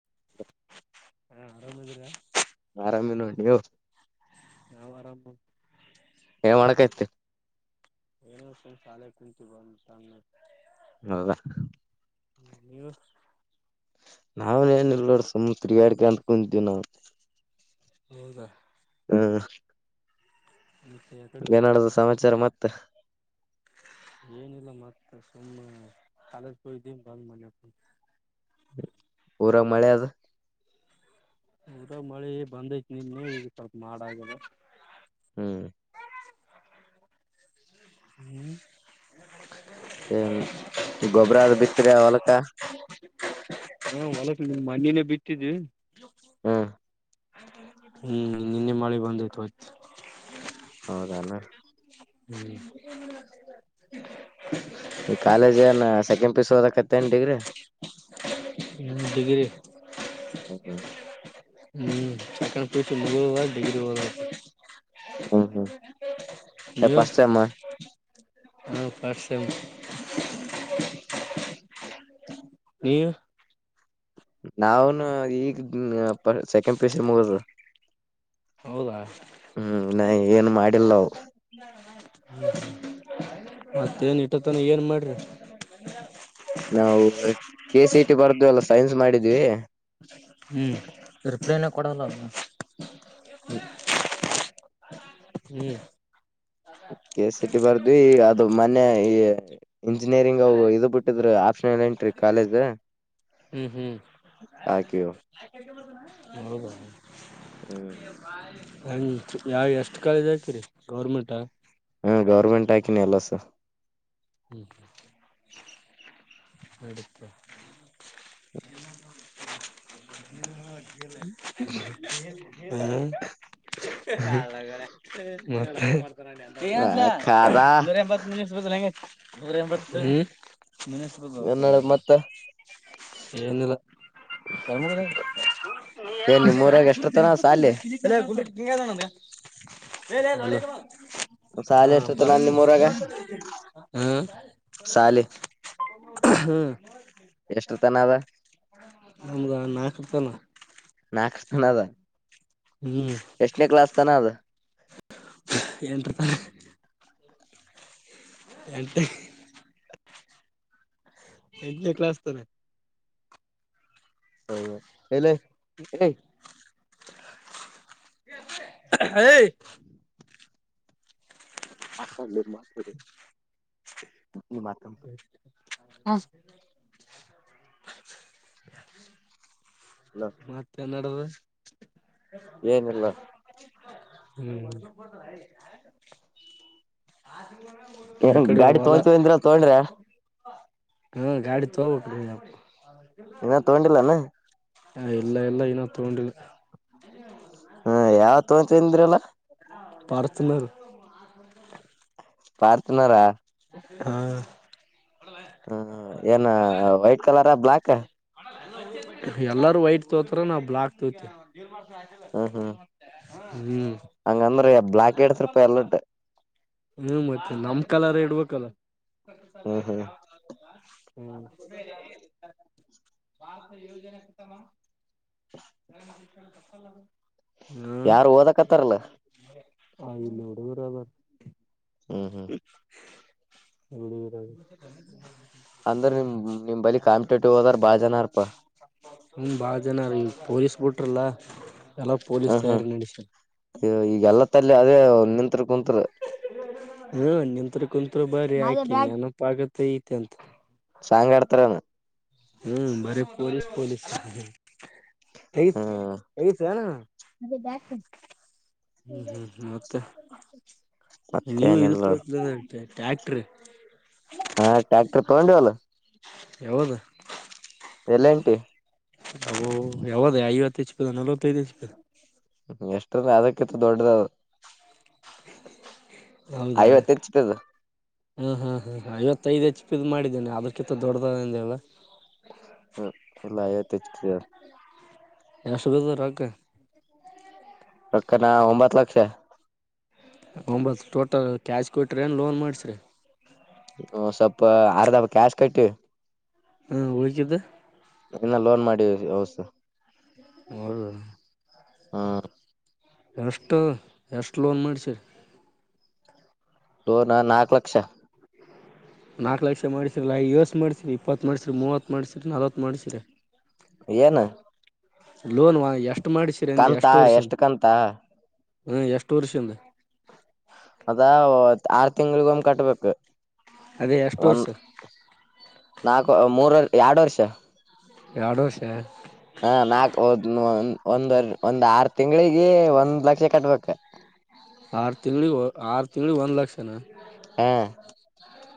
[inaudible] ಆರಾಮೇ ನೋ ನೀವು ನಾವು ಆರಾಮ [inaudible] ಏನ್ ಮಾಡಕತ್ತಿ ಏನ ಸ ಶಾಲೆ ಕುಂತೀ ಬಂದು ಸ [unintelligible] ಹೌದ ಹ್ಮ್ ನಾವನ್ ನ್ ಇಲ್ಲೋ ಸಮುುದರಿಯಡ್ಗೆ ಅಂದಕಂತೀವಿ ನಾ ಹೌದಾ ಹ ಮತ್ತೆ ಕಡೆ ಹೋಗ ಸಮಾಚಾರ ಮತ್ [unintelligible] ಏನಿಲ್ಲ ಮತ್ತ ಹ್ಮ್ ಕಾಲಜ ಕ ದ ಬಲ್ ಮನೆ [inaudible] ಊರಾಗ ಮಳೆ ಅದ ಊರಾಗ ಮಳಿ ಬಂದೈತಿ ನಿನ್ನ [unintelligible] ಈಗ ಸ್ವಲ್ಪ ಮಾಡಾಗದ ಹ್ಮ್ ಹ್ಮ್ ಗೊಬ್ಬರ [unintelligible] ಅದ ಬಿತ್ರ ಹೊಲ್ಕ ಹಾ ಹೊಳಕ ನಿ ಮನನೆೇ ಬಿತ್ತಿದ್ದು ಹಾ ಹ್ಮ್ ನಿನ್ನೆ ಮಳೆ ಬಂದೈ್ತು ಹೌದಣ [inaudible] ಈ ಕಾಲೇಜ್ ಸೆಕೆಂಡ್ ಪಿಯುಸಿ ಓದಕತ್ತನ್ ಡಿಗ್ರಿ ಹ್ಮ ಡಿಗ್ರಿ ಹ ಹ್ಮ್ [unintelligible] ಸೆಕೆಂಡ್ ಪಿಯುಸಿ ಮುಗ್ಧವ ಡಿಗ್ರಿ ಓದೋದು ಹ್ಮ್ ಹ್ಮ್ ಫಸ್ಟ್ ಸೆಂ ಆ ಹ ಫಸ್ಟ್ ಸೆಂ [unintelligible] ನೀವು ನಾಾವನು ಈಗ ಸೆಕೆಂಡ್ ಪಿಯುಸಿ ಮುಗದ ಹೌದಾ ಹ್ಮ್ ನ ಏನು ಮಾಡಿಲ್ಲ [inaudible] ಮತ್ತೇನ್ ಇಟ್ಟತಾನ ಏನ್ ಮಾಡ್ರಿ [inaudible] ನಾವು ಕೆ ಸಿ ಟಿ ಬರ್ದು ಅಲ್ಲ ಸೈನ್ಸ್ ಮಾಡಿದ್ವಿ [inaudible] ಹ್ಮ್ ರಿಪ್ಲೈನ ಕೊಡಲ್ಲ ಹ್ಮ ಹ್ಮ ಕೆ ಸಿ ಟಿ ಬರ್ದ್ವಿ ಅದು ಮನೆ ಈ ಇಂಜಿನಿಯರಿಂಗ್ ಇ ಇದು ಬಿಟ್ಟಿದ್ರ ಆಫ ಜನೆಂಟ್ರಿ ಕಾಲೇಜ ಹ್ಮ್ ಹ್ಮ್ ಹಾಕಿಯೋ ಹ್ಮ್ ಹ ಯಾವ ಎಷ್ಟ್ ಕಾಲೇಜ್ ಆಕೀರಿ ಗೌರ್ಮೆಂಟ ಹಾ ಗೌರ್ಮೆಂಟ್ ಹಾಕಿನಿ ಎಲ್ಲಸ ಹ್ಮ್ ಅನಿಂಟೆಲಿಜಬಲ್ ಎರಡ್ ಎಕ್ರೆ ಹ್ಮ ಕಳ್ಳಗಲೇ ಏನಾಯ್ತೋಲಾ ಕಾದ ನೂರ್ ಎಂಬಟ್ ಮಿನಿಸ್ಟರುದು ನೂರ ಎಂಬತ್ತು ಹು ಕನ್ನಡ ಮತ್ತ ಏನಿಲ್ಲ ತಮಿಳುನಾಗೆ ಏನ್ ನಿಮ್ಮೂರಾಗ ಎಷ್ಟ ತನ ಸಾಲಿ ಲೇಲೆ ಇಲ್ವಾ ಹಾ ಸಾಲಿ ಎಷ್ಟ ತನ ಬಾರತನ ನಿಮ್ಮೂರಾಗ ಹ್ಮ ಸಾಲಿ ಹ್ಮ ಎಷ್ಟ ತನ ಅದ ನಮ್ದ ನಾಕತ್ತನ ನಾ ಹಾಕ್ಸುದ್ನ ಅದ ಹ್ಮ್ ಎಷ್ಟನೇ ಕ್ಲಾಸ್ ತನ ಅದ ಎಂಟ್ ರೂಪಾಯಿ ಎಂಟು ಎಂಟ್ನೆ ಕ್ಲಾಸ್ ತಾನೇ ಹೌದು ಹೇಲೆ ಹೆ ಏಯ್ ಅಷ್ಟೊಂದು ಇದ್ ಮಾಡ್ತಾರೆ ಎಷ್ಟು ಮತ್ತೆೇ ನಡದು ಹ್ಮ ಏನಿಲ್ಲ ಏನ್ ಗಾಡಿ ತೋಕೊಂತಿನಿ ಅಂದ್ರ ತಗೊಂಡ್ರ ಹ್ಮ ಗಾಡಿ ತಕೊ ಬೇಕ್ಲೆ ಪ ಇನ್ನ ತಗೊಂಡಿಲ್ಲಾನ ಹ ಇಲ್ಲ ಇಲ್ಲ ಇನ್ನು ತಗೊಂಡಿಲ್ಲ ಹ್ಮ ಯಾವ ತಕೊಂತೀವಿ ಅಂದ್ರಲ್ಲ ಪಾರ್ಚುನರ್ ಪರ್ಚು ನರ ಹಾ ಹ್ಮ ಏನ ವೈಟ್ ಕಲರ ಬ್ಲಾಕ ಎಲ್ಲಾರೂ ವೈಟ್ ತೋತರ ನಾವವು ಬ್ಲಾಕ್ ತೋತಿವಿ ಹ್ಮ್ ಹ್ಮ್ ಹ್ಮ್ ಹಂಗಂದ್ರ ಬ್ಲಕೆ ಹೇಳ್ತರಪ್ಪ ಎಲ್ಲಟ್ಟು ಹ್ಮ್ ಮತ್ತೆ ನಮ್ ಕಲಾರೆ ಇಡ್ಬೇಕಲ್ಲ ಹ್ಮ್ ಹ್ಮ್ ಹ ಭಾರತ ಯೋಜನೆ ಕತಮಮ್ ಹ್ಮ್ ಯಾರು ಓದಕತ್ತಾರಲ್ಲ ಆ ಇಲ್ಲೋಡುದ್ರೆ ಬತ್ ಹ್ಮ್ ಹ್ಮ್ ಇರ ಅಂದ್ರ ನಿಮ ನಿಮ್ ಬಳಿ ಕಾಂಪಿಟೇಟಿವ್ ಹದರ ಬಾಳ ಜನಾರ್ಪಾ ಹ್ಮ ಬಾಳ ಜನ ರೆ ಈ ಪೊಲೀಸ್ ಬಿಟ್ರಲ್ಲಾ ಎಲ್ಲ ಪೋಲೀಸ್ ಹ್ಮ್ ಹ್ಮ್ ತಯಾರಿ ನಡಸ ಈಗೆಲ್ಲ ತಲ್ಲಿ ಅದೇ ನಿಂತ್ರು ಕುಂತ್ರು ನಿಂತ್ ಕುಂತ್ರು ಬ್ರ ಆಾಕಿನ್ನಪ ಆಗತ್ತ ಐತೆ ಅಂತ ಸಾಂಗ್ ಆಡ್ತಾರನ ಹ್ಮ್ ಬರಿ ಪೊಲಸ್ ಪೊಲಸ್ ಸ ಹ್ಮ್ ಹ್ಮ್ ಹ್ಮ್ ಮತ್ತೆ ನೀವು ಇದ ಮತ್ತೇನಿಲ್ಲ ತೋ ಟ್ಯಾಕ್ಟ್ರ ಹಾ ಟಾಕ್ಟರ್ ತಂಡಲ್ಲ ಹೌದು ಎಲ್ಲೇಟಿ ಅ ಯಾವದ ಐವತ್ತ ಹೆಚ್ ಪದ ನಲವತ್ತೈದು ಹೆಚ್ ಪದ ಎಷ್ಟ್ರಂದ ಅದಕ್ಕಿತ್ತು ದೊಡ್ಡದ ಅದು ಹೌದಾ ಹಾ ಹಾ ಹಾ ಹ ಐವತ್ತೈದ ಹೆಚ್ಚು ಇದ್ ಮಾಡಿದ್ದೇನೆ ಅದಕ್ಕಿಂತ ದೊಡ್ಡದಂದ ಹೇಳ ಹ ಎಲ್ಲ ಾ ತಚ್ಚ ಎಷ್ಟು ಬದ ರಕ ರಕ್ಕನಾ ಒಂಬತ್ ಲಕ್ಷ ಒಂಬತ್ ಟೋಟಲ್ ಕ್ಯಾಶ್ ಕೊಟ್ರಿ ಏನ್ ಲೋನ್ ಮಾಡಸ್ರಿ ಹ ಸ್ವಲ್ಪ ಅರ್ಧ ಕ್ಯಾಶ ಕಟ್ಟಿ ಹ ಹಕಿದೆ ಇನ್ನ ಲೋನ್ ಮಾಡಿ ಔಸ ಹೌದು ಹಾ ಎಷ್ಟು ಎಷ್ಟು ಲೋನ್ ಮಾಡಿಸಿರಿ ದೋ ನ ನಾಕ ಲಕ್ಷ ನಾಲ್ಕು ಲಕ್ಷ ಮಾಡಸ್ರರಲ್ಲ ಯೋಷ್ಟ್ ಮಾಡ್ಸರಿ ಇಪ್ಪತ್ ಮಾಡಸ್ರರಿ ಮೂವತ್ ಮಾಡ್ಸಿ್ರರಿ ನಲ್ವತ್ ಮಾಡ್ಸ್ರರಿ ಏನು ಲೋನ್ ಎಷ್ಟ್ ಮಾಡಿಸಿರಿ ಅಂದ ಎಷ್ಟ ವರ್ಷನ್ ಹಾ ಎಷ್ಟು ವರ್ಷಿಂದ ಅದಾ ಆರ್ ತಿಂಗಳಗ ಒಮ್ಮ್ ಕಟ್ಬೇಕು ಅದೇ ಎಷ್ಟು ಒಂದ ವರ್ಷ ನಾಕು ಮೂರಲ್ಲಿ ಎರಡು ವರ್ಷ ಎರಡೋಷೆ ಹಾ ನಾಕ್ ಒಂದ್ ಒಂದ್ ಆರು ತಿಂಗಳಿಗೆ ಒಂದ್ ಲಕ್ಷ ಕಟ್ಬೇಕ ಆರು ತಿಂಗಳಿಗೆ ಆರು ತಿಂಗಳಿಗೆ ಒಂದ್ ಲಕ್ಷನಾ ಹ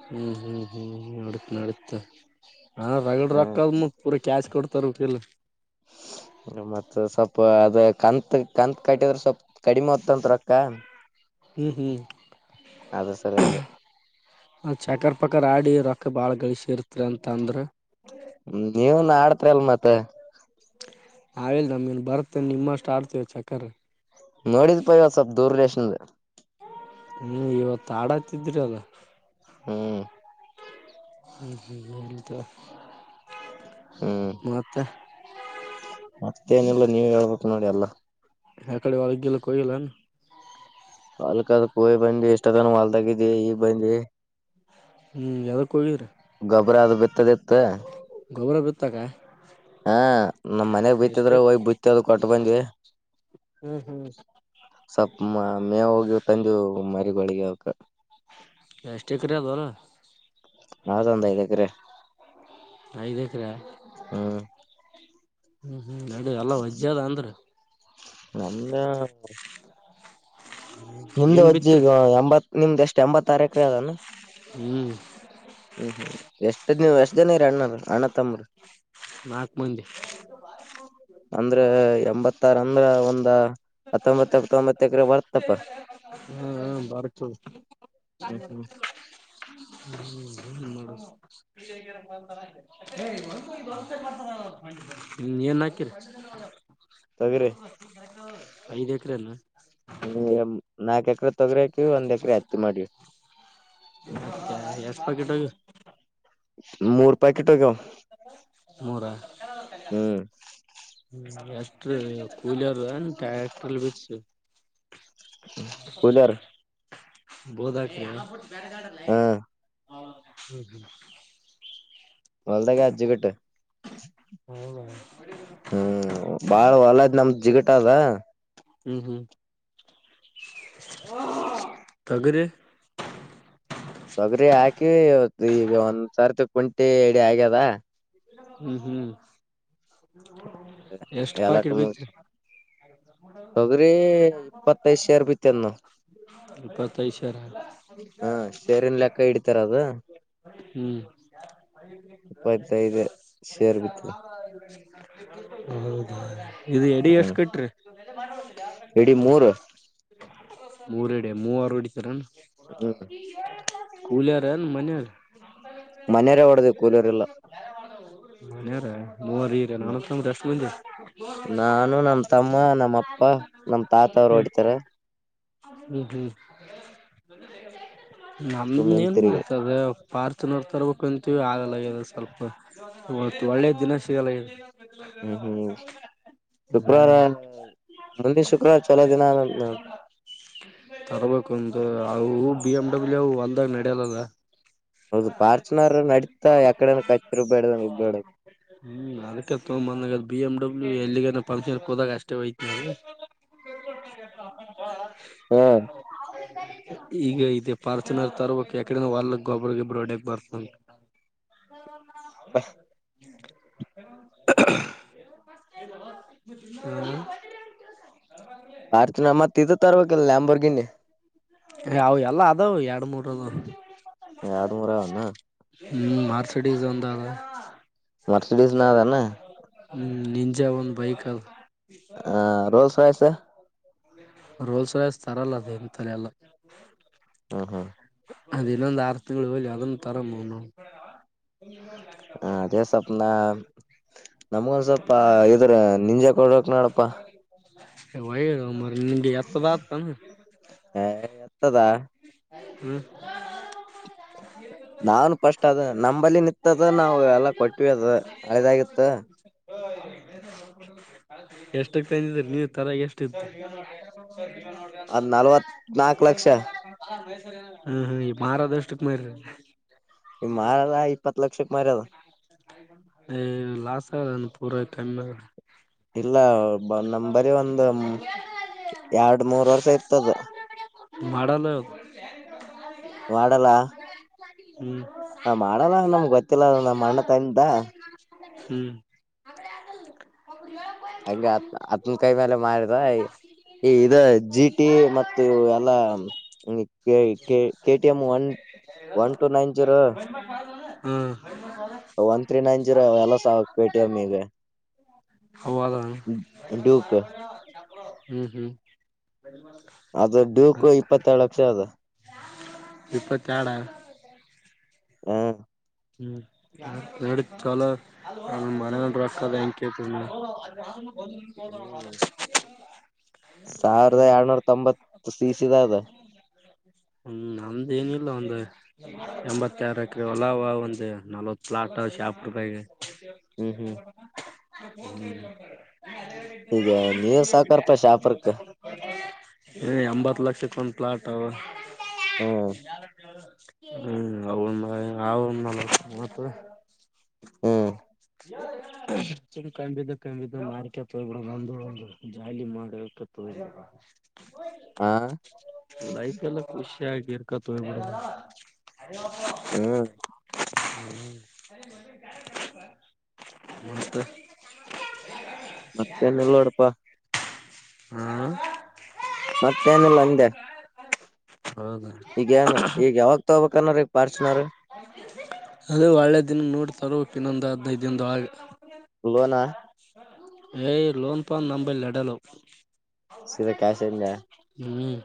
ಹ್ಮ್ ಹ್ಮ್ ಹ್ಮ್್ಮ ನಡತ ನಡಿತ ಹಾ ರಗಡ ಹ ರೊಕ್ಕದ ಪೂರ ಕ್ಯಾಶ್ ಕೊಡ್ತಾರ ಕೆಲ್ಲಿ ಸ್ವಲ್ಪ ಅದ ಕಂತತ್ ಕತ್ ಕಟ್ಟಿದ್ರ ಸ್ವಲ್ಪ್ ಕಡಿಮೆ ಹೊತ್ತತ್ ರೊಕ್ಕ ಹ್ಮ್ ಹ್ಮ್ ಅದು ಸರಿ ಅಂದ ಅ ಚಕರ್ ಪಕರ್ ಆಡಿ ರೊಕ್ಕ ಬಾಳ್ ಗಳಿಸಿ ಇರ್ತ್ರಿ ಅಂತ ಅಂದ್ರ ಹ ಅವ ಇಲ್ ನಮ್ಗೆನ್ ಬರ್ತ ನಿಮ್ಮಷ್ಟ ಆಡ್ತೇವ ಚಕ್ಕ್ರ ನೋಡಿದ್ ಪಯವ ಸ್ವಲ್ಪ ದೂರಷ್ಟ ತಾಡ ಹತಿದ್ರಿ ಅಲ್ಲ ಹ್ಮ್ ಇಲ್ಲಿ ಹೇಳದು ಹ್ಮ್ ಮತ್ತೇ ಏನಿಲ್ಲ ನೀವ ಹಳ್ಬಿಟ್ಟು ನೋಡಿ ಅಲ್ಲ ಯಕಡೆ ಒಳಗಲ್ಲಕ್ಕಯಲ್ಲನು ಅಲ್ಕ ಅದ ಕೋಯಿ ಬಂದಿ ಇಷ್ಟ ಅದನ ಮಲ್ ತಗಿದ ಈಗ್ ಬಂದಿ ಹ್ಮ್ ಯಾವ ಕೋಗ್ರ ಗೊಬ್ಬ್ರ ಅದು ಬಿತ್ತದಿತ್ತ ಗೊಬ್ಬರ ಬಿತ್ತಕ್ಕ ಹಾ ನಮ್ ಮನೆಗ್ ಬಿತ್ತಿದ್ರ ಹೋಗ್ ಬಿತ್ತದ ಕೊಟ್ಟ ಬಂದ್ವಿ ಹ್ಮ್ ಹ್ಮ್ [inaudible] ಸ್ವಲ್ಪ ಮೇವು ಗೀವು ತಂದಿವಿ ಮರಿಗಳಿಗೆ ಅವುಕ. ಎಷ್ಟು ಎಕರೆ ಆದ ಹೊಲ? ಆದ ಒಂದು ಐದು ಎಕರೆ. ಐದೆಕ್ರ? ಹ್ಮ್ [inaudible] ಎಲ್ಲ ವಜ್ಜೇದ್ ಅಂದ್ರ. ನಮ್ದ ನಿಮ್ದ ಏನ್ ಹೊಜ್ಜಿ ಬಿತ್ರಿ ಈಗ ಎಂಬತ್ ನಿಮ್ದ ಎಷ್ಟ್ ಎಂಬತಾರ ಎಕರೆ ಅದಾನ? ಹ್ಮ್. ಹ್ಮ್ ಹ್ಮ್ ಎಷ್ಟು ನೀವ್ ಎಷ್ಟ್ ಜನ ಇರಿ ಅಣ್ಣಂದಿರ. ಅಣ್ಣತಮ್ರ ನಾಕ್ ಮಂದಿ ಅಂದ್ರೆ ಎಂಬತ್ತಾರ. ಅಂದ್ರ ಒಂದ್ ಹತ್ತೊಂಬತ್ತ ತೊಂಬತ್ತ ಎಕರೆ ಬರ್ತ. ಹಾ ಬಾರಿ ಚ. [unintelligible] ಹ್ಮ್ ಹ್ಮ ಹ್ಮ್ ಹ್ಮ. [inaudible] ಏನು ಹಾಕಿರಿ? ತೊಗ್ರಿ ಐದ್ ಎಕರೆಲ್ಲ? ಹ ನಾಕ್ ಎಕರೆ ತೊಗರಿ ಹಾಕಿವ, ಒಂದ್ ಎಕರೆ ಹತ್ತಿ ಮಾಡೀವಿ. ಹತ್ತಿ ಎಷ್ಟು ಪಾಕೆಟ್ ಹೋಗ್ಯವಾ? ಮೂರು ಪಾಕೆಟ್ ಹೋಗ್ಯಾವ. ಮೂರ ಹ್ಮ ಎಷ್ಟ್ರ ಕೂಲೆರ್ ಏನು ಟ್ಯಾಕ್ಟ್ರಲ್. [unintelligible] ಕೂಲರ್ [inaudible] ಬೋದ ಹಾಕಿರ? ಹಾ ಹೊಲದಾಗ ಆದ ಜಿಗುಟು. ಹ್ಮ್ ಹ್ಮ್ ಬಾಳ ಹೊಲ ನಮ್ದ್ ಜಿಗಟ ಅದ. ಹ್ಮ್ ಹ್ಮ್. ತೊಗರಿ? ತೊಗರಿ ಹಾಕಿ ಈಗ ಒಂದ್ ಸಾರ್ತಿ ಕುಂಟಿ ಎಡಿ ಆಗ್ಯದ. ಹ್ಮ್ ಹ್ಮ್. ಎಷ್ಟು ಎಲ್ಲಾಟ ಪಾಕೆಟ್ ಮುಗ್ ಬಿತ್ತಿರಿ? ತೊಗರಿ ಇಪ್ಪತ್ತೈದು ಶೇರ್ ಬಿತ್ಯಾದ ನೋಡು. ಇಪ್ಪತ್ತೈದ್ ಲೆಕ್ಕ ಹಿಡಿತಾರ ಅದು ಹ್ಮ್. ಇಪ್ಪತ್ತೈದು ಶೇರ್ ಬಿತ್ತು ಮಾವ. [unintelligible] ಹೌದೌದು. ಇದು ಎಡಿ ಎಷ್ಟ ಹ್ಮ್ ಕಟ್ರಿ? ಇಡೀ ಮೂರು ಮೂರ್ ಎಡೆ ಮೂವರು ಹೊಡಿತರಣ? ಹ್ಮ್ ಕೂಲೆರೇನ? ಮನೆಯವರ? ಮನೆಯವರೇ ಹೊಡದೀವಿ ಕೂಲೆರ್ ಇಲ್ಲ. ಕೂಲೆರ, ಮೂವರು ಇರೇನು ಅಣ್ಣ ತಮ್ಮರು ಎಷ್ಟು ಮಂದಿ ಇರಿ? ನಾನು ನಮ್ ತಮ್ಮ ನಮ್ಮ ಅಪ್ಪ ನಮ್ ತಾತ ಅವ್ರು ಹ್ಮ್ ಹೊಡಿತಾರ. ಹ್ಮ್ ಹ್ಮ್ ನಮ ಸುಮ್ಮ್ ಏನ್ ತಿರುಗಿ ಮಾಡತದ ಹೇಳು? ಫಾರ್ಚೂನರ್ ತರ್ಬೇಕು ಅಂತೀವಿ ಆಗಲ್ಲ ಆಗ್ಯದ ಸ್ವಲ್ಪ, ಇವತ್ತು ಒಳ್ಳೆ ದಿನ ಸಿಗಲ್ಲ ಆಗ್ಯದ. ಹ್ಮ್ ಹ್ಮ್ ಶುಕ್ರವಾರ ಹ್ಮ್ [inaudible] ಮುಂದಿನ ಶುಕ್ರವಾರ ಚೊಲೋ ದಿನ ಆದಂತ ನೋಡ್. ತರ್ಬೇಕು ಒಂದು, ಅವು ಬಿ ಎಮ್ ಡಬ್ಲ್ಯೂ ಹೊಲದಾಗ ನಡಿಯಲ್ಲ ಅಲಾ? ಹೌದು ಪಾರ್ಚುನಾರ ನಡತಾ ಎಕಡನು ಕೆಟ್ಟರ. [unintelligible] ಹ್ಮ್ ಅದಕ್ಕೆ ತೊಗೊಂಡ ಬಂದಂಗ, ಬಿ ಎಮ್ ಡಬ್ಲ್ಯೂ ಎಲ್ಲಿಗನ ಫಂಕ್ಷನ್ ಹೋದಾಗ ಅಷ್ಟೇ ಹೋಯ್ತೀವಿ. ಕೊಟ್ಟ. [inaudible] ಹಾ. ಈಗ ಇದ ಪಾರ್ಚನರ್ ತರ್ಬೇಕ ಎಕಡೆನ ಹೊಲಕ ಗೊಬ್ಬರ ಗಿಬ್ಬರ ಹೊಡ್ಯಾಕ್ ಬರ್ತದ ಅಂತ. ಹ್ಮ. [inaudible] ಹ. [inaudible] [unintelligible] ಹ ಅರ್ತಿನಮ್ಮತ್ತದು ತರಬೇಕಲ್ಲ ಅಂಬರ್ಗೆ ಅ ಎಲ್ಲ ಅದಾವ ಎರಡ್ ಮೂರದು ಎರಡ್ ಮೂರ ಅವನ ಹ್ಮ್ ಮಾರ್ಸಿಡೀಸ್ ಅಂತ ಅ ಮರ್ಸಿಡಿಸ್ ನಾದಾನ ಹ್ಮ ನಿಂಜ ಒಂದು ಬಹಿಕಲ್ ಹ ರೋಲ್ ಸಾಯಸ ರೋಲ್ಸ ರಸ್ ತರಲ್ಲ ದೇಮ ತಲೆ ಎಲ್ಲ ಹ್ಮ್ ಹ್ಮ್ ಅದ ಇಲ್ಲ ಒಂದು ಆರ್ ತಿಗಳು ಬಲಿ ಅದನ್ನು ತರ ಬ ನಮ್ಗೊಂದ ಸ್ವಲ್ಪ ಇದ್ರ ನಿಂಜಕ್ ಕೊಡಕ್ ನಾಡಪ್ಪಾ ವ ನಿಗೆ ಆತದತ ಎತ್ತದ ಹ್ಮ್ ನಾವನ್ ಫಸ್ಟ್ ಅದ ನಂಬಲ್ಲಿ ನಿತ್ತದ ನಾವು ಎಲ್ಲಾ ಕೊಟ್ಟಿವಿ ಅದ ಹಳದಾಗಿತ್ತ ಎಷ್ಟಕ್ ತಂದಿದ್ರ ನೀವ ತರಗೆ ಎಷ್ಟಿತ್ತು ಸ ಅದ್ ನಲ್ವತ್ ನೋ ನಾಕ್ ಲಕ್ಷ ಹ್ಮ ಹ್ಮ ಈ ಮಾರದಷ್ಟಕ್ ಮಾರ ಈ ಮಾರಲ್ಲ ಇಪ್ಪತ್ ಲಕ್ಷಕ್ ಮಾರ್ಯದ ಹ ಲಸ್ ನಾನು ಪೂರೈತಮ್ಮ ಇಲ್ಲ ನಮ ಬರಿ ಒಂದು ಆಗ ಎರಡು ಮೂರ್ ವರ್ಷ ಇರ್ತದ ಮಾಡಲು ವಡಲಾ ಹ್ಮ್ ಹ ಮಾಡಲ್ಲ ನಮ್ಗೆ ಗೊತ್ತಿಲ್ಲ ನಮ್ಮ ಅಣ್ಣ ತಾಯಂತ ಅಡೆ ಆಗಲ್ಲ ಹಂಗ ಅತ್ ಅತ್ನ ಕೈ ಮೇಲೆ ಮಾಡಾರಿದ ಈ ಈ ಇ ಜಿ ಟಿ ಮ ಎಲ್ಲಾ K KTM one one two nine zero ಹ್ಮ ಒನ್ ತ್ರೀ ನೈನ್ ಜೀರೋ ಎಲ್ಲ ಸಾವ ೂಪ್ ಹ್ಮ್ ಹ್ಮ್ ಅದ ಡ್ಯೂಕ್ ಇಪ್ಪತ್ತೆರಡು ಲಕ್ಷ ಅದ ವಿಿಪ್ಪಾ ಚಡ ಹಾ ಹ್ಮ್ ನ ಚಲ ಮನತದೆ ಎಂಕತ ಒಂದಾವ ಸಾವಿರದ ಎರಡ್ನೂರ ತೊಂಬತ್ತು ಸಿಸಿದ ಅದ ಹ್ಮ್ ನಮ್ದ ಏನಿಲ್ಲ ಒಂದು ಎಂಬತ್ತಾರ ಎಕರೆ ಹೊಲ ನಲ್ವತ್ತು ಪ್ಲಾ ಶಾಪ ರೂಪಾಯಿಗೆ ಹ್ಮ್ ಹ್ಮ್ ಈಗ ನೀವ್ ಸಾಕಾರಪ ಶಾಪರ್ಕ್ ಹ ಎಂಬತ್ ಲಕ್ಷ ಎ ಕನ್ ಪ್ಲಾಟ್ ಅವವಾ ಹ್ಮ್ ಹ್ಮ್ ಅವ ಹ್ಮ್ ಚ ಕಂಬಿದ ಕಂಬಿದ ಮಾರಕಪ್ ಹೋಗ್ಬಿಡಂದು ಜಾಲಿ ಮಾಡ ಆ ಲೈಫ್ ಎಲ್ಲ ಖುಷಿ ಹಗಿ ಇರ್ಕತ್ ಹ್ಮ್ ಹ್ಮ ಮಸ್ತ ಮತ್ತೆ ನಲ್ ನೋಡಪ್ಪಾ ಹ್ಮ್ ಮತ್ತೇನಲ್ಲ ಹೆ ಹೌದ ಈಗ ಏನ್ ಈಗ ಅದೇ ಒಳ್ಳೆ ದಿನ ನೋಡ್ತಾರ ಇನ್ನೊಂದು ಅಧಿನೈದ್ದು ಧಿನ ಒಳಗೆ ಹ ಲೋನಾ ಏಯ್ ಲೋನ್ಪಾನ್ ನಂಬೈ ಲಡಲು ಸೀದಾ ಕ್ಯಾಶ್ ಇಂದ ಹ್ಮ್